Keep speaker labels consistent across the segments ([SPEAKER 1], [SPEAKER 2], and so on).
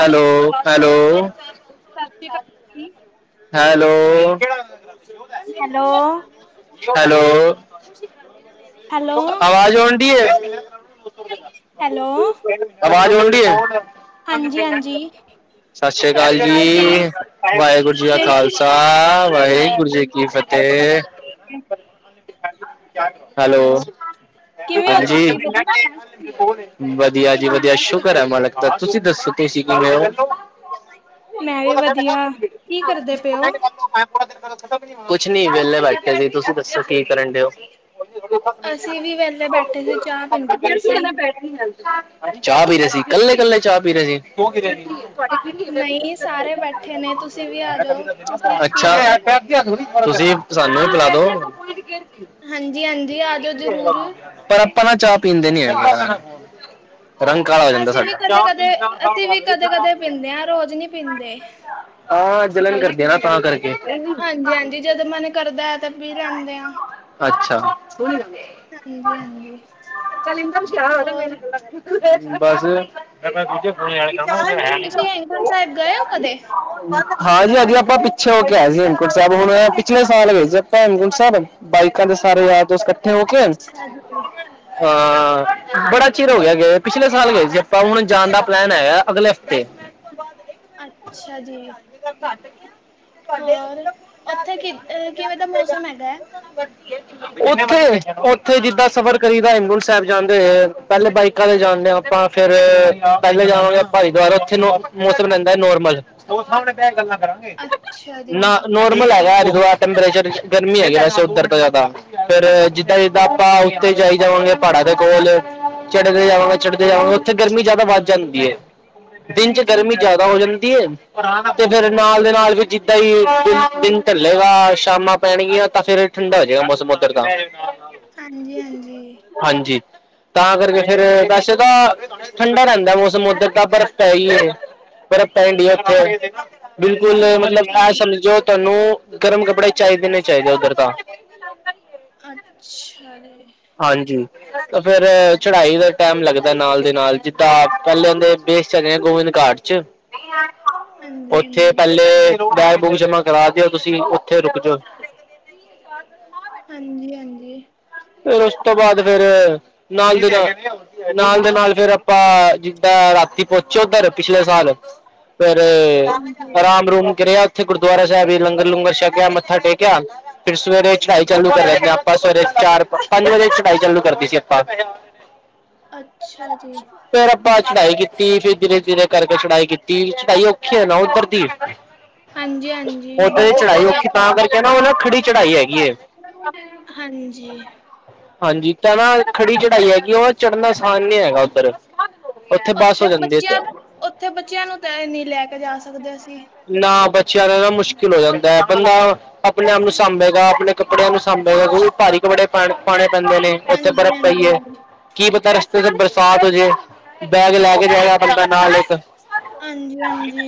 [SPEAKER 1] Hello hello
[SPEAKER 2] ਸਤਿ ਸ਼੍ਰੀ ਅਕਾਲ ਜੀ
[SPEAKER 1] ਹੈਲੋ
[SPEAKER 2] ਹੈਲੋ,
[SPEAKER 1] ਹੈਲੋ
[SPEAKER 2] ਹੈਲੋ,
[SPEAKER 1] ਆਵਾਜ਼ ਆਉਣਦੀ ਹੈ
[SPEAKER 2] ਹੈਲੋ
[SPEAKER 1] ਅਵਾਜ਼ ਮੰਡੀ ਹੈ
[SPEAKER 2] ਹਾਂਜੀ ਹਾਂਜੀ
[SPEAKER 1] ਸਤਿ ਸ੍ਰੀ ਅਕਾਲ ਜੀ ਵਾਹਿਗੁਰੂ ਜੀ ਕਾ
[SPEAKER 2] ਕਿਵੇਂ
[SPEAKER 1] ਖਾਲਸਾ
[SPEAKER 2] ਹੈਲੋ,
[SPEAKER 1] ਵਾਹਿਗੁਰੂ ਜੀ ਕੀ ਫਤਿਹ ਤੇ ਹੈਲੋ
[SPEAKER 2] ਕਿਵੇਂ ਹੋ
[SPEAKER 1] ਹਾਂਜੀ
[SPEAKER 2] ਤੁਸੀਂ ਵਧੀਆ?
[SPEAKER 1] ਵਧੀਆ ਜੀ ਵਧੀਆ ਸ਼ੁਕਰ ਐ ਮ ਲੱਗਦਾ ਤੁਸੀਂ ਦੱਸੋ ਤੁਸੀਂ ਕਿ ਰਹੇ ਹੋ
[SPEAKER 2] ਮੈਂ ਵੀ
[SPEAKER 1] ਬ
[SPEAKER 2] ਵਧੀਆ, ਕੀ ਕਰਦੇ ਪਏ ਹੋ?
[SPEAKER 1] ਮ ਕੁਛ ਨੀ ਵਿਹਲੇ ਬੈਠੇ ਸੀ ਤੁਸੀਂ ਦੱਸੋ ਕੀ ਕਰਨ ਡਓ
[SPEAKER 2] ਅਸੀਂ ਵੀ ਵੇਲੇ ਬੈਠੇ ਸੀ ਚਾਹ ਪੀਂਦੇ ਪਏ ਸੀ
[SPEAKER 1] ਚਾਹ ਪੀ ਰਹੇ ਸੀ ਇਕੱਲੇ ਇਕੱਲੇ ਚਾਹ ਪੀ ਰਹੇ ਸੀ ਹੋ ਗ
[SPEAKER 2] ਨਹੀਂ ਸਾਰੇ ਬੈਠੇ ਨੇ, ਤੁਸੀਂ ਵੀ ਆ ਜਾਓ, ਤੁਸੀਂ ਪੀ
[SPEAKER 1] ਅੱਛਾ
[SPEAKER 2] ਲਓ।
[SPEAKER 1] ਤੁਸੀਂ ਸਾਨੂੰ ਬਲਾ ਦੋ
[SPEAKER 2] ਹਾਂਜੀ ਹਾਂਜੀ ਆ ਜਾਓ ਜ਼ਰੂਰ।
[SPEAKER 1] ਪਰ ਆਪਾਂ ਨਾ ਚਾਹ ਪੀਂਦੇ ਨੀ ਹੈ ਰੰਗ ਕਾਲਾ ਹੋ ਜਾਂਦਾ
[SPEAKER 2] ਅਸੀਂ ਵੀ
[SPEAKER 1] ਸਾਡਾ ਚ
[SPEAKER 2] ਕਦੇ-ਕਦੇ, ਅਸੀਂ ਵੀ
[SPEAKER 1] ਤ
[SPEAKER 2] ਕਦੇ-ਕਦੇ ਪੀਂਦੇ ਹਾਂ, ਰੋਜ਼ ਨਹੀਂ ਪੀਂਦੇ।
[SPEAKER 1] ਆਹ ਜਲਣ ਕਰਦੇ ਨਾ ਤਾਂ ਕਰਕੇ
[SPEAKER 2] ਹਾਂਜੀ-ਹਾਂਜੀ ਜਦੋਂ ਮਨ ਕਰਦਾ ਹੈ ਤਾਂ ਪੀ ਲੈਂਦੇ ਆ।
[SPEAKER 1] ਅੱਛਾ
[SPEAKER 2] ਹਾਂਜੀ-ਹਾਂਜੀ।
[SPEAKER 1] ਕਲੀ ਸ਼ਰਾ
[SPEAKER 2] ਹੋਰ
[SPEAKER 1] ਬਸ ਦੂਜੇ
[SPEAKER 2] ਤੁਸੀਂ ਹੇਮਕੁੰਟ ਸਾਹਿਬ ਗਏ ਹੋ ਕਦੇ?
[SPEAKER 1] ਹਾਂਜੀ ਆਪਾਂ ਪਿੱਛੇ ਹੋ ਕੇ ਆ ਸੀ ਹੇਮਕੋਟ ਸਾਹਿਬ ਹੁਣ ਪਿਛਲੇ ਸਾਲ ਵਏ ਸੀੇ ਆਪਾਂ ਹਮਕੋਟ ਸਾਹਿਬ ਬਾਈਕਾਂ ਦੇ ਸਾਰੇ ਯਾਰ ਇਕੱਠੇ ਹੋ ਕੇ
[SPEAKER 2] ਅੱਛਾ ਜੀ।
[SPEAKER 1] ਹਾਂ ਬੜਾ ਚਿਰ ਹੋ ਗਿਆ ਗ ਪਿਛਲੇ ਸਾਲ ਗਏ ਜੇ ਆਪਾਂ ਹੁਣ ਜਾਣ ਦਾ ਪਲੈਨ ਹੈਗਾ ਅਗਲੇ ਹਫ਼ਤੇ
[SPEAKER 2] ਅੱਛਾ ਜੀ ਹੋਰ ਉੱਥੇ ਕਿ ਕਿਵੇਂ ਦਾ ਮੌਸਮ ਹੈਗਾ ਹੈ
[SPEAKER 1] ਉੱਥੇ -ਉੱਥੇ ਜਿੱਦਾਂ ਸਫ਼ਰ ਕਰੀ ਦਾ ਹੇਮਕੁੰਟ ਸਾਹਿਬ ਜਾਂਦੇ ਹੋਏ ਪਹਿਲੇ ਬਾਈਕ ਕਦੇ ਜਾਣਦੇ ਹਾਂ ਆਪਾਂ ਫਿਰ ਪਹਿਲੇ ਜਾਵਾਂਗੇ ਆਪਾ ਹਰਿਦੁਆਰ ਉੱਥੇ ਨੋ ਮੌਸਮ ਰਹਿੰਦਾ ਨੋਰਮਲ। ਓਹ ਸਾਹਮਣੇ ਪਿਆ ਗਲੱਲਾ।
[SPEAKER 2] ਅੱਛਾ
[SPEAKER 1] ਨਾ
[SPEAKER 2] ਜੀ।
[SPEAKER 1] ਨੋਰਮਲ ਹੈਗਾ ਹਰਿਦੁਆਰ ਟੈਂਪਰੇਚਰ ਗਰਮੀ ਹੈਗੀ ਵੈਸੇ ਉੱਧਰ ਤੇ ਜਾ। ਫੇਰ ਜਿੱਦਾਂ - ਜਿੱਦਾਂ ਆਪਾਂ ਉੱਤੇ ਜਾਈ ਜਾਵਾਂਗੇ ਪਹਾੜਾਂ ਦੇ ਕੋਲ ਚੜਦੇ ਜਾਵਾਂਗੇ- ਚੜਦੇ ਜਾਵਾਂਗੇ ਉੱਥੇ ਗਰਮੀ ਜ਼ਿਆਦਾ ਵੱਧ ਜਾਂਦੀ ਏ। ਦਿਨ'ਚ ਗਰਮੀ
[SPEAKER 2] ਹਾਂਜੀ-ਹਾਂਜੀ।
[SPEAKER 1] ਜਿਆਦਾ ਹੋ ਜਾਂਦੀ ਏ। ਤੇ, ਫਿਰ ਨਾਲ ਦੇ ਨਾਲ ਵੀ, ਜਿੱਦਾ ਹੀ ਦਿਨ- ਦਿਨ ਢੱਲੇਗਾ ਸ਼ਾਮਾਂ ਪੈਣਗੀਆਂ ਤਾਂ ਫਿਰ ਠੰਡਾ ਹੋ ਜੇਗਾ ਮੌਸਮ ਉੱਧਰ ਦਾ।
[SPEAKER 2] ਹਾਂਜੀ-ਹਾਂਜੀ।
[SPEAKER 1] ਹਾਂਜੀ ਤਾਂ ਕਰਕੇ, ਫੇਰ, ਵੈਸੇ ਤਾਂ ਠੰਡਾ ਰਹਿੰਦਾ ਮੌਸਮ ਉਧਰ ਤਾਂ ਬਰਫ਼ ਪੈਹੀ ਏ, ਬਰਫ਼ ਪੈਣਡੀਏ ਉੱਥੇ। ਬਿਲਕੁਲ। ਮਤਲਬ,
[SPEAKER 2] ਅੱਛਾ
[SPEAKER 1] ਐ
[SPEAKER 2] ਜੀ,
[SPEAKER 1] ਸਮਝੋ ਤੁਹਾਨੂੰ ਗਰਮ ਕੱਪੜੇ ਚਾਹੀਦੇ ਨੇ, ਚਾਹੀਦੇ ਉੱਧਰ ਤਾਂ।
[SPEAKER 2] ਅੱਛਾ ਜੀ।
[SPEAKER 1] ਹਾਂਜੀ ਫਿਰ ਚੜ੍ਹਾਈ ਦਾ ਟਾਈਮ ਲੱਗਦਾ, ਨਾਲ ਦੀ ਨਾਲ ਜਿੱਦਾਂ ਪਹਿਲੇ ਦੇ ਬੇਸ ਕਦੇ ਗੋਬਿੰਦ ਘਾਟ'ਚ ਉੱਥੇ
[SPEAKER 2] ਹਾਂਜੀ-ਹਾਂਜੀ।
[SPEAKER 1] ਪਹਿਲੇ ਬੈਗ, ਬੂਗ ਜਮਾਂ ਕਰਾ ਦਿਓ ਤੁਸੀਂ, ਉੱਥੇ ਰੁਕ ਜੋ।
[SPEAKER 2] ਹਾਂਜੀ-ਹਾਂਜੀ।
[SPEAKER 1] ਫਿਰ ਉਸ ਤੋਂ ਬਾਅਦ ਫੇਰ ਨਾਲ ਦੀ ਨਾਲ, ਨਾਲ ਦੇ ਨਾਲ ਫੇਰ ਆਪਾ ਜਿੱਦਾ ਰਾਤੀ ਪਹੁੰਚੇ ਉੱਧਰ ਪਿਛਲੇ ਸਾਲ, ਫਿਰ
[SPEAKER 2] ਹਾਂਜੀ। ਹਾਂਜੀ ਹਾਂਜੀ
[SPEAKER 1] ਆਰਾਮ-ਅਰੂਮ ਕਰਿਆ ਉੱਥੇ ਗੁਰਦੁਆਰਾ ਸਾਹਿਬ ਹੀ ਲੰਗਰ-ਲੂੰਗਰ ਛਕਿਆ, ਮੱਥਾ ਟੇਕਿਆ, ਫਿਰ ਸਵੇਰੇ ਚੜਾਈ ਚਾਲੂ ਕਰ ਲੈਂਦੇ, ਆਪਾਂ ਸਵੇਰੇ ਚਾਰ ਪੰਜ-ਵਜੇ ਇ ਚਢਾਈ ਚਾਲੂ ਕਰਤੀ ਸੀ, ਆਪਾ।
[SPEAKER 2] ਅੱਛਾ ਜੀ,
[SPEAKER 1] ਫੇਰ, ਆਪਾ ਚ੍ਹੜਾਈ ਕੀਤੀ। ਤਿ, ਫਿਰ ਧੀਰੇ-ਧੀਰੇ ਕਰਕੇ ਚ੍ਹੜਾਈ ਕੀਤੀ। ਚ੍ਹੜਾਈ ਔਖੀ ਹੈ ਨਾ ਉੱਧਰ ਦੀ।
[SPEAKER 2] ਹਾਂਜੀ-ਹਾਂਜੀ
[SPEAKER 1] ਉਥੇ ਦੀ
[SPEAKER 2] ਬਹੁਤ
[SPEAKER 1] ਚ੍ਹੜਾਈ ਔਖੀ, ਤਾਂ
[SPEAKER 2] ਹੈਗੀ ਏ।
[SPEAKER 1] ਕਰਕੇ ਨਾ ਉਹ, ਨ ਖੜੀ ਚੜਾਈ ਹੈਗ
[SPEAKER 2] ਹਾਂਜੀ।
[SPEAKER 1] ਹਾਂਜੀ। ਤਾਂ ਨਾ ਖੜੀ ਚੜਾਈ ਹੈਗੀ, ਉਹ ਚੜਨਾ ਆਸਾਨ ਨੀ ਹੈਗਾ, ਉੱਧਰ। ਬੱਸ
[SPEAKER 2] ਉੱਥੇ
[SPEAKER 1] ਹੋ ਜਾਂਦੀ ਹੈ
[SPEAKER 2] ਬੱਚਿਆਂ-ਉੱਥੇ ਬੱਚਿਆਂ ਨੂੰ, ਤਾਂਇ ਨੀ, ਲੈਕੇ ਜਾ ਸਕਦੇ‌ ਅ
[SPEAKER 1] ਨਾ ਬਚ ਚਆ ਦਾ ਨਾਂ ਮੁਸ਼ਕਿਲ ਹੋ ਜਾਂਦਾ ਹੈ। ਬੰਦਾ ਆਪਣੇ ਆਪ ਨੂੰ ਸਾਂਭੇਗਾ, ਆਪਣੇ ਕੱਪੜਿਆਂ ਨੂੰ ਸਾਂਭੇਗਾ, ਬੂਟ ਭਾਰੀ ਬੜੇ ਪਾਣੇ -ਪਾਣੇ ਪੈਂਦੇ ਨੇ, ਉੱਥੇ
[SPEAKER 2] ਹਾਂਜੀ
[SPEAKER 1] ਬਰਫ਼ ਪਈ ਏ।
[SPEAKER 2] ਹਾਂਜੀ।
[SPEAKER 1] ਕੀ ਪਤਾ, ਰਸਤੇ'ਚ ਬਰਸਾਤ ਹੋਜੇ। ਬੈਗ ਲੈਕੇ ਜਾਏਗਾ ਬੰਦਾ ਨਾਲ ਇੱਕ।
[SPEAKER 2] ਹਾਂਜੀ- ਹਾਂਜੀ।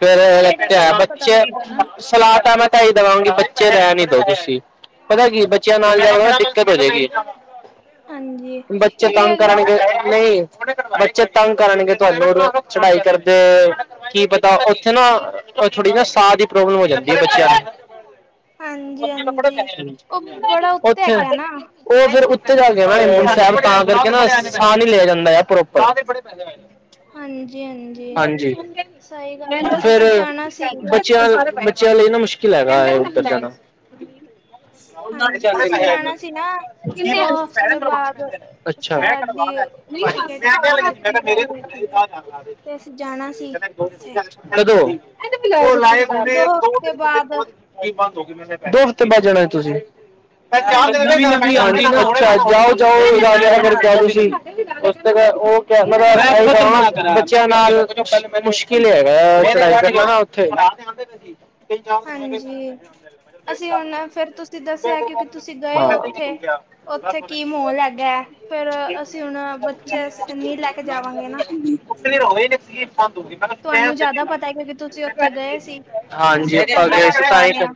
[SPEAKER 1] ਫਿਰ ਬੱਚੇ
[SPEAKER 2] ਕੁਛ
[SPEAKER 1] ਹੈ,
[SPEAKER 2] ਨੀ ਪਤਾ
[SPEAKER 1] ਬੱਚੇ
[SPEAKER 2] ਲੱਗਦਾ ਨਾ
[SPEAKER 1] ਸਲਾਹ ਤਾਂ, ਮੈਂ ਕਿਹੀ ਦਵਾਂਗੇ ਬੱਚੇ ਹੈਨੀ ਦੋ। [unintelligible] ਪਤਾ ਕੀ ਏ, ਬੱਚਿਆਂ ਨਾਲ ਜਾਵਾਂਗੇ ਨ, ਦਿੱਕਤ ਹੋ ਜੇਗੀ।
[SPEAKER 2] ਹਾਂਜੀ
[SPEAKER 1] ਬੱਚੇ
[SPEAKER 2] ਕਿਉਂਕਿ
[SPEAKER 1] ਤੰਗ
[SPEAKER 2] ਹਜੇ
[SPEAKER 1] ਕਰਨਗੇ, ਨਹੀਂ। ਬੱਚੇ ਤੰਗ ਕਰਨਗੇ ਤੁਹਾਨੂੰ, ਚੜਾਈ ਕਰਦੇ ਕੀ ਪਤਾ, ਉੱਥੇ ਨਾ ਥੋੜੀ-ਥੋੜੀ ਨਾ ਸਾਹ ਦੀ ਪ੍ਰੋਬਲਮ ਹੋ ਜਾਂਦੀ ਏ, ਬੱਚਿਆਂ ਨੂੰ।
[SPEAKER 2] ਹਾਂਜੀ ਹਾਂਜੀ ਉਹ ਬੜਾ ਉੱਤੇ
[SPEAKER 1] ਉਥੇ।
[SPEAKER 2] ਹੈਗਾ ਨਾ
[SPEAKER 1] ਉਹ, ਫਿਰ ਉ ਤਾਂ, ਕਰਕੇ ਨਾ ਸਾਹ ਨੀ ਲਿਆ ਜਾਂਦਾ ਆ ਪ੍ਰੋਪਰ। ਹਾਂਜੀ।
[SPEAKER 2] ਸਹੀ ਗੱਲ ਹੈ
[SPEAKER 1] ਫੇਰ
[SPEAKER 2] ਅਸੀਂ ਜਾਣਾ ਸੀ
[SPEAKER 1] ਬੱਚਿਆਂ ਬੱਚਿਆਂ ਲਈ ਨਾ ਮੁਸ਼ਕਿਲ ਹੈਗਾ ਏ ਉੱਧਰ ਜਾਣਾ। ਉਹਨਾਂ'ਕ
[SPEAKER 2] ਹਾਂਜੀ
[SPEAKER 1] ਚੱਲ
[SPEAKER 2] ਅਸੀਂ
[SPEAKER 1] ਰਿਹੈ
[SPEAKER 2] ਜਾਣਾ ਸੀ ਨਾ
[SPEAKER 1] ਅੱਛਾ। ਜੇ
[SPEAKER 2] ਦੋ ਹਫ਼ਤੇ ਬਾਅਦ ਸਾਡੀ ਟਿਕਟ ਹੈਗੀ ਹੈ ਬੁਕਿੰਗ ਕਰਾਈ ਹੋਈ ਸੀ ਤੇ ਅਸੀਂ ਜਾਣਾ ਸੀ
[SPEAKER 1] ਕਦੇ ੋ
[SPEAKER 2] ਉੱਥੇ
[SPEAKER 1] ਲ ਦੋ
[SPEAKER 2] ਦੋ ਹਫ਼ਤੇ ਬਾਅਦ
[SPEAKER 1] ਦਿਨ [unintelligible] ਦੋ ਹਫ਼ਤੇ ਬਾਦ ਜਾਣਾ ਏ। ਤੁਸੀ? ਛ
[SPEAKER 2] ਹਾਂਜੀ ਹਾਂਜੀ
[SPEAKER 1] ਜਾਓ-ਜਾਓ ਰਾਜ ਬੜ ਤੁਸੀਂ ਉਸ ਤੇ, ਉਹ
[SPEAKER 2] ਹਾਂਜੀ ਹਾਂਜੀ।
[SPEAKER 1] ਬੱਚਿਆਂ ਨਾਲ ਮੁਸ਼ ਕੀ, ਲਿਆਏਗਾ ਚ੍ਹੜਾਈ ਕਰਨਾ ਨ ਉਥੇ [unintelligible] [unintelligible]
[SPEAKER 2] ਹਾਂਜੀ ਅਸੀਂ ਹੁਣ ਫਿਰ ਤੁਸੀਂ ਦੱਸਿਆ ਕਿਉਂਕਿ ਤੁਸੀਂ ਗਏ ਹੋ ਉੱਥੇ ਉੱਥੇ ਕੀ ਮੋਲ ਹੈਗਾ ਹੈ, ਫਿਰ ਅਸੀਂ ਹੁਣ ਬੱਚੇ ਨਹੀਂ ਲੈ ਕੇ ਜਾਵਾਂਗੇ ਨਾ
[SPEAKER 1] ਫਿਰ ਹੋ ਗਏ ਨੇ ਫ੍ਰੀ [unintelligible] ਦੂਗੀ ਨਾ
[SPEAKER 2] ਤੁਹਾਨੂੰ ਜ਼ਿਆਦਾ ਪਤਾ ਹੈ ਕਿਉਂਕਿ ਤੁ
[SPEAKER 1] ਹਾਂਜੀ, ਤੁਹਾਡੇ
[SPEAKER 2] ਪਹਿਲੀ
[SPEAKER 1] ਏ
[SPEAKER 2] ਵਾਰ
[SPEAKER 1] ਸੀ ਤਾਂ
[SPEAKER 2] ਜਾ
[SPEAKER 1] ਹੀ
[SPEAKER 2] ਰਹੇ
[SPEAKER 1] ਕਰ,
[SPEAKER 2] ਹਾਂ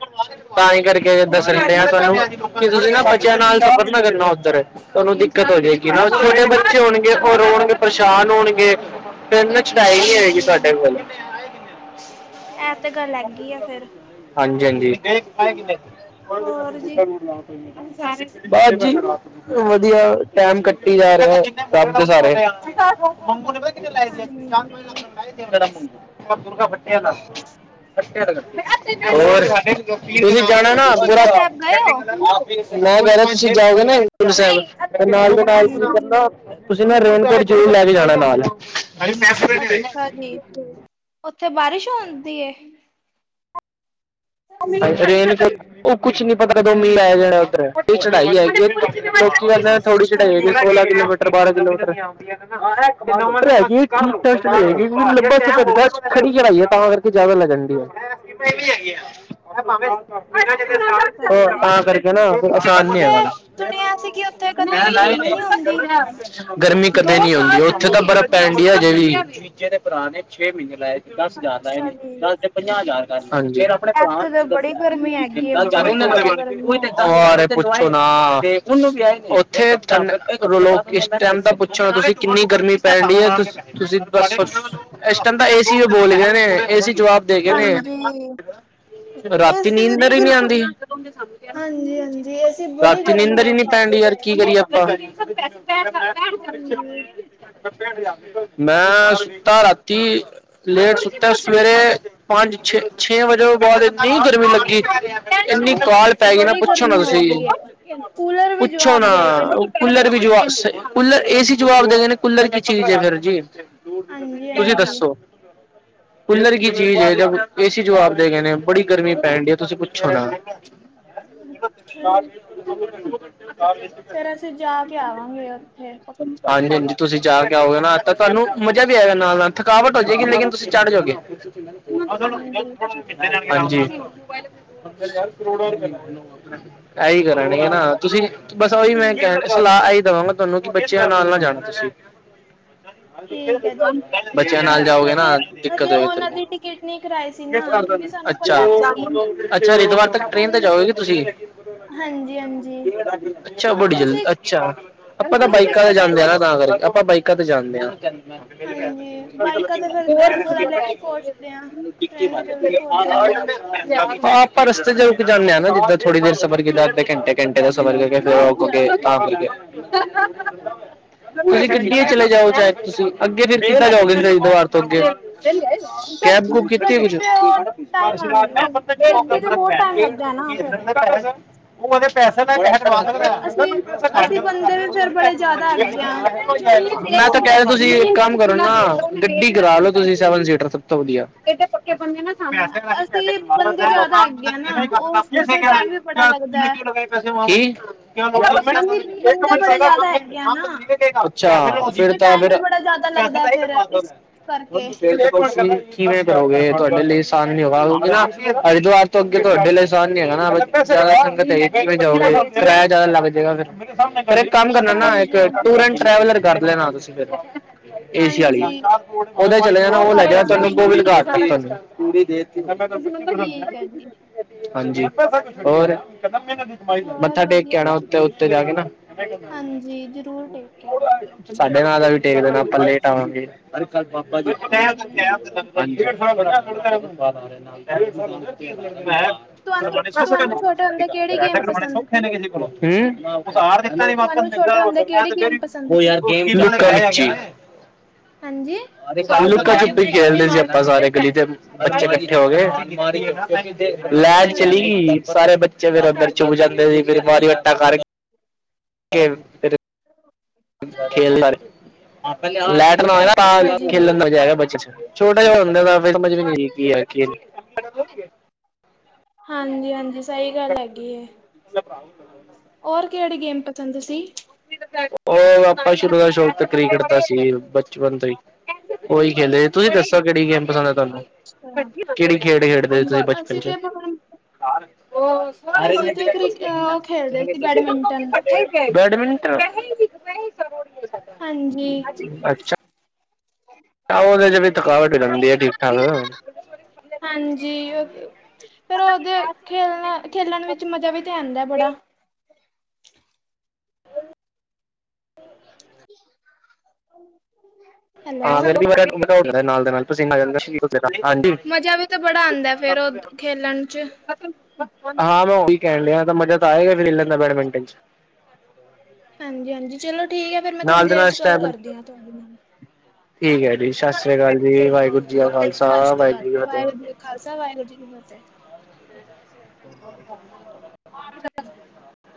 [SPEAKER 1] ਤਾਂ ਹੀ ਕਰਕੇ ਦੱਸਣ ਡੇਆ ਤੁਹਾਨੂੰ ਤੁਸੀਂ ਨਾ ਬਚਿਆ ਨਾਲ
[SPEAKER 2] ਹਾਂਜੀ
[SPEAKER 1] ਸਫ਼ਰ ਨਾ
[SPEAKER 2] ਹਾਂਜੀ
[SPEAKER 1] ਕਰਨਾ ਉੱਧਰ। ਤੁਹਾਨੂੰ ਦਿੱਕਤ ਹੋ ਜਾਏਗੀ ਨਾ, ਛੋਟੇ ਬੱਚੇ ਹੋਣਗੇ, ਉਹ ਰੋਣਗੇ, ਪਰੇਸ਼ਾਨ ਹੋਣਗੇ। ਫਿਰ ਨਾ ਛਡਾਈ ਹੋਏਗੀ
[SPEAKER 2] ਹਾਂਜੀ
[SPEAKER 1] ਸਾਡ
[SPEAKER 2] ਇਹ ਤੇ ਗੱਲ
[SPEAKER 1] ਹਾਂਜ।
[SPEAKER 2] ਹੈਗੀ ਆ ਫਿਰ
[SPEAKER 1] ਹਾਂਜੀ-ਹਾਂਜੀ
[SPEAKER 2] ਹੋਰ ਜੀ
[SPEAKER 1] [unintelligible] ਬਸ ਜੀ। ਵਧੀਆ ਟੈਮ ਕੱਟੀ ਜਾ ਰਿਹਾ [unintelligible] ਸਾਰੇ [unintelligible] ਕੇਹੜਾ
[SPEAKER 2] ਹਾਂਜੀ
[SPEAKER 1] ਮੁਨ? ਉਹ ਦੁਰਗਾ ਭੱਟੀਆਂ ਹੋਰ, ਤੁਸੀਂ ਜਾਣਾ ਨਾ
[SPEAKER 2] ਤੁਸੀਂ
[SPEAKER 1] ਪੂਰਾ
[SPEAKER 2] ਸ਼ਹੀਦਾ ਸਾਹਿਬ ਗਏ ਹੋ
[SPEAKER 1] ਮੈਂ ਅਗਰ ਤੁਸੀਂ ਜਾਓਗੇ ਨਾ ਹੇਮਕੁੰਡ ਸਾਹਿਬ, ਤੇ ਨਾਲ ਦੇ ਨਾਲ
[SPEAKER 2] ਹਾਂਜੀ
[SPEAKER 1] [unintelligible] ਤੁਸੀਂ ਨਾ ਰੇਨਕੋਟ ਜ਼ਰੂਰ ਲੈ ਕੇ ਜਾਣਾ ਨਾਲ। [unintelligible]
[SPEAKER 2] ਔਥੇ ਬਾਰਿਸ਼ ਹੋਣ ਦੀ ਏ?
[SPEAKER 1] ਰੇਨਕੋਟ, ਉਹ ਕੁਛ ਨੀ ਪਤਾ ਕਦੋ ਮੀਹ ਆ ਜਾਣਾ ਉੱਧਰ। ਉਹ ਚੜਾਈ ਹੈਗੀ ਏ। [unintelligible] ਸਰ ਥੋੜੀ
[SPEAKER 2] ਅੱਛਾ
[SPEAKER 1] ਚੜਾਈ
[SPEAKER 2] ਜੀ
[SPEAKER 1] ਹੈਗੀ, ਸੋਲਾਂ ਕਿਲੋਮੀ [unintelligible] ਹੈਗੀ ਏ ਖੂਨ ਟੈਸਟ [unintelligible]
[SPEAKER 2] ਅੱਛਾ
[SPEAKER 1] ਖੜੀ
[SPEAKER 2] ਜੀ
[SPEAKER 1] ਚੜਾਈ ਏ, ਤਾਂ ਕਰਕੇ ਜਿਆਦਾ ਲੱਗਣ ਡੀ ਏ। [unintelligible] [unintelligible]
[SPEAKER 2] ਅੱਛਾ
[SPEAKER 1] ਉਹ
[SPEAKER 2] ਜੀ।
[SPEAKER 1] ਤਾਂ ਕਰਕੇ ਨਾ, ਕੋਈ ਅਸਾਨ ਨੀ
[SPEAKER 2] ਉੱਥੇ
[SPEAKER 1] ਹੈਗਾਾ।
[SPEAKER 2] ਸੁਣਿਆ ਸੀ ਕਿ ਉੱਥੇ ਕਦੇ ਵੀ ਗਰਮੀ ਨਹੀਂ ਹੁੰਦੀ।
[SPEAKER 1] ਗਰਮੀ। ਕਦੇ ਨੀ ਆਉਂਦੀ, ਉੱਥੇ ਤਾਂ ਬਰਫ਼ ਪੈਂਡੀ ਅਜੇ ਵੀ ਦਸ-ਹਜ਼ਾਰ ਦਾ ਆਇਆ
[SPEAKER 2] ਅੱਛਾ
[SPEAKER 1] ਨੀ,
[SPEAKER 2] ਜੀ।
[SPEAKER 1] ਦਸ ਦੇ, ਪੰਜਾਹ-ਹਜ਼ਾਰ ਕਾਰ ਫਿਰ ਆਪਣੇ [unintelligible]
[SPEAKER 2] ਇੱਥੇ ਤਾਂ ਬੜੀ ਗਰਮੀ ਹੈਗੀ ਹੈ ਬੜੀ ਜ਼ਿਆਦਾ ਗਰਮੀ ਹੈਗੀ ਹੈ।
[SPEAKER 1] ਔਰੇ ਪੁੱਛੋਂ ਨਾ। ਆਹ, ਉੱਥੇ ਓਨੁ ਵਿਆਏ ਨੇ, ਉੱਥੇ ਥਨ ਲੋਕ ਇਸ ਟਾਈਮ ਦਾ ਪੁੱਛੋ ਤੁਸੀਂ ਕਿੰਨੀ ਗਰਮੀ ਪੈਣੀ ਤੁਸੀਂ [unintelligible] ਇਸ ਟਾਈਮ ਤਾਂ ਏ ਸੀ ਔ ਬੋਲ ਗਏ ਨੇ, ਏ ਸੀ ਜਵਾਬ ਦੇਗੇ ਨੇ,
[SPEAKER 2] ਹਾਂਜੀ
[SPEAKER 1] ਰਾਤੀ
[SPEAKER 2] ਏਸੀ ਵੀ
[SPEAKER 1] ਨੀਂਦਰ ਈ ਨੀ
[SPEAKER 2] ਬਿਲਕੁਲ
[SPEAKER 1] ਆਂਦੀ।
[SPEAKER 2] ਹਾਂਜੀ ਹਾਂਜੀ ਏਸੀ ਬੜੀ
[SPEAKER 1] ਰਾਤੀ
[SPEAKER 2] ਗਰਮ
[SPEAKER 1] ਨੀਂਦਰ ਈ
[SPEAKER 2] ਹਵਾ
[SPEAKER 1] ਨੀ ਪੈਣ
[SPEAKER 2] ਫੈਕਦੇ
[SPEAKER 1] ਡੀ,
[SPEAKER 2] ਪਏ
[SPEAKER 1] ਯਾਰ
[SPEAKER 2] ਨੇ।
[SPEAKER 1] ਕੀ ਕਰੀਏ ਅਪਾਂ?
[SPEAKER 2] ਹਾਂਜੀ
[SPEAKER 1] [unintelligible] ਮੈ ਸੁੱਤਾ ਰਾਤੀ, ਲੇਟ ਸੁੱਤਾ, ਸਵੇਰੇ ਪੰਜ ਛੇ, ਛੇ ਵਜੇ ਬੋਤ ਇੰਨੀ ਗਰਮੀ ਲੱਗੀ, ਇੰਨੀ ਕਾਲ ਪੈ ਗਈ ਨਾ,
[SPEAKER 2] ਬੜੀ
[SPEAKER 1] ਪੁੱਛੋ ਨਾ
[SPEAKER 2] ਗਰਮੀ ਹੋ
[SPEAKER 1] ਤੁਸੀਂ।
[SPEAKER 2] ਗਈ ਹੈ। ਕੂਲਰ ਵੀ
[SPEAKER 1] ਪੁੱਛੋ
[SPEAKER 2] ਜਵਾਬ
[SPEAKER 1] ਨਾ
[SPEAKER 2] ਦੇ ਗਏ ਨੇ।
[SPEAKER 1] ਕੂਲਰ ਵੀ ਜਵਾ ਸਈ, ਕੁੱਲਰ ਏ ਸੀ ਜਵਾਬ ਦੇ ਦਿੰਦੇ, ਕੁੂੱਲਰ ਕੀ ਚੀਜ਼ ਏ ਫਿਰ ਜੀ।
[SPEAKER 2] ਹਾਂਜੀ
[SPEAKER 1] ਤੁਸੀਂ
[SPEAKER 2] ਹਾਂਜੀ
[SPEAKER 1] ਦੱਸੋ? ਕੂਲਰ ਕੀ ਚੀਜ਼ ਏ? ਜਬ ਏ ਸੀ ਜਵਾਬ ਦੇ ਗਏ ਨੇ, ਬੜੀ ਗਰਮੀ ਪੈਣ ਡੀ ਏ ਤੁਸੀਂ ਪੁੱਛੋ ਨਾ।
[SPEAKER 2] ਅੱਛਾ ਜੀ
[SPEAKER 1] [unintelligible] [unintelligible]
[SPEAKER 2] ਫੇਰ ਅਸੀਂ ਜਾ ਕੇ ਆਵਾਂਗੇ ਉੱਥੇ।
[SPEAKER 1] ਹਾਂਜੀ-ਹਾਂਜੀ। ਤੁਸੀਂ ਜਾ ਕੇ ਆਓਗੇ ਨਾ, ਤਾਂ ਤੁਹਾਨੂੰ ਮਜ਼ਾ ਵੀ ਆਏਗਾ ਨਾਲ-ਨਾਲ, ਥਕਾਵਟ ਹੋ ਜਾਏਗੀ, ਲੇਕਿਨ ਤੁਸੀਂ ਚੜ ਜੋਗੇ।
[SPEAKER 2] ਹਾਂਜੀ
[SPEAKER 1] [unintelligible] ਹਾਂਜੀ। [unintelligible] ਕਰੋੜੋ ਰੁਪਏ, ਏਈ ਕਰਾਨੀ ਏ ਨਾ, ਤੁਸੀਂ ਬਸ ਓਹੀ ਮੈਂ
[SPEAKER 2] ਹਾਂਜੀ
[SPEAKER 1] ਕਹਿਣ, ਸਲਾਹ ਏਹੀ ਦਵਾਂਗਾ ਤੁਹਾਨੂੰ ਕਿ ਬੱਚਿਆਂ ਨਾਲ ਨਾ ਜਾਣਾ ਤੁਸੀਂ।
[SPEAKER 2] ਠੀਕ ਹੈ ਜੀ।
[SPEAKER 1] ਬੱਚਿਆਂ ਨਾਲ ਜਾਓਗੇ ਨਾ,
[SPEAKER 2] ਹਜੇ ਹਜੇ
[SPEAKER 1] ਦਿੱਕਤ ਹੋਏਗੀ
[SPEAKER 2] ਉਹਨਾਂ
[SPEAKER 1] ਤਨੂੰ।
[SPEAKER 2] ਦੀ ਟਿਕਟ ਨਹੀਂ ਕਰਾਈ ਸੀ ਨਾ
[SPEAKER 1] ਕੇਸ ਕਰਦੋ
[SPEAKER 2] ਕਿਉਂਕਿ
[SPEAKER 1] ਜੀ,
[SPEAKER 2] ਸਾਨੂੰ
[SPEAKER 1] ਅੱਛਾ,
[SPEAKER 2] ਪਤਾ ਨਹੀਂ ਸੀ
[SPEAKER 1] ਅੱਛਾ ਜੀ, ਹਰਿਦਵਾਰ ਤੱਕ ਟ੍ਰੇਨ ਤੇ
[SPEAKER 2] ਹੁਣ
[SPEAKER 1] ਜਾਓਗੇ ਤੁਸੀਂ।
[SPEAKER 2] ਹਾਂਜੀ ਹਾਂਜੀ
[SPEAKER 1] ਅੱਛਾ, ਬੜੀ ਜਲ,
[SPEAKER 2] ਤੁਸੀਂ
[SPEAKER 1] ਅੱਛਾ। ਆਪਾਂ ਤਾਂ
[SPEAKER 2] ਤੁਸੀਂ ਕਿਸ
[SPEAKER 1] ਬਾਈਕਾਂ ਤੇ
[SPEAKER 2] ਗਏ
[SPEAKER 1] ਜਾਂਦੇ ਆ
[SPEAKER 2] ਸੀ
[SPEAKER 1] ਨਾ ਤਾਂ ਕਰਕੇ, ਆਪਾਂ ਬਾਈਕਾਂ ਤੇ ਜਾਂਦੇ ਆ।
[SPEAKER 2] ਹਾਂਜੀ ਬਾਈਕਾਂ ਤੇ ਫਿਰ ਅ, ਥੋੜਾ ਲੇਟ ਪਹੁੰਚਦੇ ਆ
[SPEAKER 1] [unintelligible] [unintelligible]
[SPEAKER 2] ਟ੍ਰੇਨ ਤੇ ਜਲਦੀ ਪਹੁੰਚ ਜਾਂਦੇ ਆ
[SPEAKER 1] ਹਾਂ ਪਰ ਰਸਤੇ ਚ ਜਾਂਣੇ ਹਾਂ ਨਾ, ਜਿੱਦਾਂ ਥੋੜ੍ਹੀ ਦੇਰ ਸਫ਼ਰ ਕੀਤਾ, ਅਧੇ ਕੇਂਟੇ-ਕੇਂਟੇ ਦਾ ਸਫ਼ਰ ਕਰਕੇ ਫਿਰ
[SPEAKER 2] ਹਾਂਜੀ
[SPEAKER 1] [unintelligible] ਖਾ ਪੀ ਕੇ। [inaudible]
[SPEAKER 2] [inaudible]
[SPEAKER 1] ਤੁਸੀਂ
[SPEAKER 2] ਹਾਂਜੀ
[SPEAKER 1] ਗੱਡੀ ਚਲੇ
[SPEAKER 2] ਹਾਂਜੀ
[SPEAKER 1] ਜਾਓ ਚਾਹੇ ਤੁਸੀਂ ਅੱਗੇ ਵੀ ਬਾ ਜਾਓਗੇ ਦੀਵਾਰ ਤੋਂ ਅੱਗੇ।
[SPEAKER 2] ਗ ਗੱਡੀ
[SPEAKER 1] ਕੀ
[SPEAKER 2] ਤੇ ਉਹ ਟਾਈਮ ਗੱਡੀ ਤੇ ਬਹੁਤ ਟਾਈਮ ਲੱਗਦਾ ਹੈ ਨਾ ਫਿਰ
[SPEAKER 1] ਕੁ [inaudible] ਉਹ ਉਦੇ ਪੈਸੇ ਦਾ। ਕਰ
[SPEAKER 2] ਅਸੀਂ ਅਸੀਂ ਬੰਦੇ ਵੀ ਫਿਰ ਬੜੇ ਜ਼ਿਆਦਾ ਹੈਗੇ ਆ
[SPEAKER 1] ਕਹਿ [inaudible] ਤੁਸੀਂ ਇੱਕ ਕੰਮ ਕਰੋ ਨਾ ਗੱਡੀ ਕਰਾ ਲੋ ਤੁਸੀਂ ਸੈਵਨ ਸੀਟਰ ਸਭ ਤੋਂ ਵਧੀਆ। ੈ [inaudible] ਕੋਈ
[SPEAKER 2] ਅਸੀਂ ਬੰਦੇ ਜ਼ਿਆਦਾ ਹੈਗੇ ਆ ਨਾ ਉਸ ਤੇ ਫਿਰ ਟਾਈਮ ਵੀ ਬੜਾ ਲੱਗਦਾ ਹੈ
[SPEAKER 1] ਪੈਸੇ ਵਾਪਸ। [inaudible]
[SPEAKER 2] ਅਸੀਂ ਬੰਦੇ ਬੜੇ ਜ਼ਿਆਦਾ ਹੈਗੇ ਆ ਨਾ
[SPEAKER 1] ਅੱਛਾ
[SPEAKER 2] ਉਸ
[SPEAKER 1] ਫਿਰ
[SPEAKER 2] ਤੇ
[SPEAKER 1] ਤਾਂ
[SPEAKER 2] ਟਾਈਮ
[SPEAKER 1] ਫਿਰ।
[SPEAKER 2] ਵੀ ਬੜਾ ਜ਼ਿਆਦਾ
[SPEAKER 1] ਪੈਸਾ
[SPEAKER 2] ਲੱਗਦਾ
[SPEAKER 1] ਤਾਂ ਹੀ
[SPEAKER 2] ਫੇਰ
[SPEAKER 1] ਕਰਵਾਤਾ [inaudible]
[SPEAKER 2] ਇਸ ਕਰਕੇ
[SPEAKER 1] ਕਿਵੇਂ ਕਰੋਗੇ ਤੁਹਾਡੇ ਲਈ ਆਸਾਨ ਨੀ ਹੋਊਗਾ ਕਿਉ ਨਾ ਹਰਿਦੁਆਰ ਤੋਂ ਅੱਗੇ ਤੁਹਾਡੇ ਲਈ ਆਸਾਨ ਨੀ ਹੈਗਾ ਨਾ। ਜ਼ਿਆਦਾ ਸੰਗਤ ਹੈ ਤੁਸੀਂ ਜਾਓਗੇ ਕਿਰਾਇਆ ਜਿਆਦਾ ਲੱਗ ਜਾਏਗਾ ਫਿਰ। ਫੇਰ ਇੱਕ ਕੰਮ ਕਰਨਾ ਨਾ ਇੱਕ
[SPEAKER 2] ਹਾਂਜੀ
[SPEAKER 1] ਟੂਰ ਐਂਡ ਟਰੈਵਲਰ ਕਰ ਲੈਣਾ ਤੁਸੀਂ ਫਿਰ। ਏਸ਼ੀਆ ਵਾਲੀ
[SPEAKER 2] ਹਾਂਜੀ
[SPEAKER 1] ਉਹਦੇ ਚਲੇ ਜਾਣਾ ਉਹ ਲੈ
[SPEAKER 2] ਕਰ
[SPEAKER 1] ਜਾਣਾ ਤੁਹਾਨੂੰ
[SPEAKER 2] ਲਾਂਗੇ
[SPEAKER 1] ਗੋਬਿੰਦ ਘਾਟ।
[SPEAKER 2] ਠੀਕ ਹੈ ਜੀ
[SPEAKER 1] ਹਾਂਜੀ ਹੋਰ?
[SPEAKER 2] ਹੋਰ
[SPEAKER 1] ਮੱਥਾ ਟੇਕ ਕੇ
[SPEAKER 2] ਵਧੀਆ
[SPEAKER 1] ਆਣਾ
[SPEAKER 2] ਜੀ
[SPEAKER 1] ਉਥੇ ਉੱਤੇ ਜਾ ਕੇ ਨਾ।
[SPEAKER 2] ਹਾਂਜੀ ਜ਼ਰੂਰ ਟੇਕ ਕੇ ਆਵਾਂਗੇ
[SPEAKER 1] ਸਾਡੇ ਨਾ ਦਾ ਵੀ ਟੇਕ ਦੇਣਾ ਆਪਾਂ ਲੇਟ ਆਵਾਂਗੇ। ਅਰੇ ਕੱਲ ਪਾਪਾ ਜੀ ਹਾਂਜੀ। ਵਦ। [inaudible] ਮੈਂ
[SPEAKER 2] ਤੁਹਾਨੂੰ
[SPEAKER 1] ਪ੍ਰਮ
[SPEAKER 2] ਤੁਹਾਨੂੰ ਛੋਟੇ ਹੁੰਦੇ ਕਿਹੜੀ ਗੇਮ
[SPEAKER 1] ਸ
[SPEAKER 2] ਪਸੰਦ ਸੀ
[SPEAKER 1] ਖਿਆ ਕਿਸੇ ਕੋਲੋਂ [inaudible] ਹਮ ਕੁ ਆਰ ਦਿੱਤਾ ਨ ਵਾਪਸ
[SPEAKER 2] ਤੁਹਾਨੂੰ ਛੋਟੇ ਹੁੰਦੇ ਕਿਹੜੀ ਗੇਮ ਪਸੰਦ
[SPEAKER 1] ਫ
[SPEAKER 2] ਸੀ
[SPEAKER 1] ਯ [inaudible]
[SPEAKER 2] ਹਾਂਜੀ
[SPEAKER 1] ਲੁਕਾ ਛੁਪੀ ਖੇਲਦੇ ਸੀ ਆਪਾਂ ਸਾਰੇ। ਗਲੀ ਦੇ ਬੱਚੇ ਇਕੱਠੇ ਹੋ ਗਏ, ਲੈਟ
[SPEAKER 2] ਅੱਛਾ
[SPEAKER 1] ਚਲੀ
[SPEAKER 2] ਜੀ
[SPEAKER 1] ਗਈ, ਸਾਰੇ ਬੱਚੇ ਫਿਰ ਅੰਦਰ ਚੁੱੱਕ ਜਾਂਦੇ ਸੀ ਫਿਰ ਵਾਰੀ ਵਟਾ ਕਰਕੇ ਫਿਰ। ਖੇਲਦਾ। ਲੈਟ ਨਾ ਜਾਏ ਨਾ ਤਾਂ
[SPEAKER 2] ਅੱਛਾ ਜੀ
[SPEAKER 1] ਖੇਲਣ ਦਾ ਮਜਾ ਹੈਗਾ ਬੱਚੇ ਚ ਛੋਟਾ ਜਿਹਾ ਹੁੰਦੇ ਦਾ। ਕੀ ਹੈ ਕੀ ਨਹੀਂ।
[SPEAKER 2] ਹਾਂਜੀ ਹਾਂਜੀ ਸਹੀ ਗੱਲ ਹੈਗੀ ਏ।
[SPEAKER 1] ਰਾਹੁਲ।
[SPEAKER 2] ਹੋਰ ਕਿਹੜੀ ਗੇਮ ਪਸੰਦ ਸੀ।
[SPEAKER 1] ਉਹ ਆਪਾਂ ਸ਼ੁਰੂ ਦਾ ਸ਼ੌਕ ਕ੍ਰਿਕਟ ਦਾ ਸੀ ਬਚਪਨ ਤੋਂ ਹੀ। ਉਹੀ ਕਹਿੰਦੇ ਤੁਸੀਂ ਦੱਸੋ ਕਿਹੜੀ ਗੇਮ ਪਸੰਦ ਹੈ ਤੁਹਾਨੂੰ?
[SPEAKER 2] ਅੱਛਾ
[SPEAKER 1] ਕਿਹੜੀ ਖੇਡ ਖੇਡਦੇ ਤੁਸੀ ਬਚਪਨ
[SPEAKER 2] ਅਸੀਂ
[SPEAKER 1] ਚ?
[SPEAKER 2] ਤੇ ਪਕੜਮ ਅਸੀਂ ਤੇ ਕ੍ਰਿ ਉਹ ਖੇਲਦੇ ਸੀ ਬੈਡਮਿੰਟਨ
[SPEAKER 1] ਠੀਕ ਬੈਡਮਟ। [inaudible] ਕੈਹੇੇ ਵੀੈ।
[SPEAKER 2] ਹਾਂਜੀ।
[SPEAKER 1] ਅੱਛਾ ਉਹਦੇ ਚ ਵੀ ਥਕਾਵਟ ਹੀ ਹੋ ਜਾਂਦੀ ਹੈ ਠੀਕ ਠਾਕ ਨਾ।
[SPEAKER 2] ਹਾਂਜੀ। ਫਿਰ ਉਹਦੇ ਖੇਲਣ ਖੇਲਣ ਵਿੱਚ ਮਜ਼ਾ ਵੀ ਤੇ ਆਉਂਦਾ ਬੜਾ।
[SPEAKER 1] ਹ।
[SPEAKER 2] ਹੈਲੋ
[SPEAKER 1] ਹਾਂ ਫਿਰ ਬੜਾ ਨਾਲ ਦੇ ਨਾਲ ਪਸੀਨਾ ਆ ਜਾਂਦਾ। ਹਾਂਜੀ।
[SPEAKER 2] ਮਜ਼ਾ ਵੀ ਤਾਂ ਬੜਾ ਆਉਂਦਾ ਫੇਰ ਉਹ ਖੇਲਣ ਚ
[SPEAKER 1] ਹਾਂ ਮੈਂ ਉਹੀ ਕਹਿਣ ਡਿਆ ਤਾਂ ਮਜ਼ਾ ਤਾਂ ਆਏਗਾ ਫਿਰ ਖੇਡਣ ਦਾ ਬੈਡਮਿੰਟਨ ਚ।
[SPEAKER 2] ਹਾਂਜੀ ਹਾਂਜੀ ਚਲੋ ਠੀਕ ਹੈ ਫੇਰ ਮੈਂ ਥੋੜ੍ਹੀ
[SPEAKER 1] ਨਾਲ ਦੇ
[SPEAKER 2] ਦੇਰ
[SPEAKER 1] ਨਾਲ
[SPEAKER 2] ਚ ਗੱਲ
[SPEAKER 1] ਸਟੈਮਿਨ
[SPEAKER 2] ਕਰਦੀ ਹਾਂ ਤੁਹਾਡੇ ਨਾਲ।
[SPEAKER 1] ਠੀਕ ਹੈ ਜੀ ਸਤਿ ਸ੍ਰੀ ਅਕਾਲ ਜੀ ਵਾਹਿਗੁਰੂ। ਜੀ ਕਾ ਖਾਲਸਾ
[SPEAKER 2] ਸਤਿ ਸ਼੍ਰੀ ਅਕਾਲ ਜੀ।
[SPEAKER 1] ਕੀ ਫਤਿਹ
[SPEAKER 2] ਵਾਹਿਗੁਰੂ ਜੀ ਦਾ ਖਾਲਸਾ। ਵਾਹਿਗੁਰੂ ਜੀ ਦੀ ਫਤਿਹ। ! ! ! !